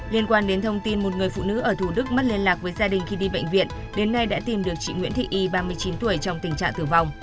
liên quan đến thông tin một người phụ nữ ở thủ đức mất liên lạc với gia đình khi đi bệnh viện đến nay đã tìm được chị nguyễn thị y ba mươi chín tuổi trong tình trạng tử vong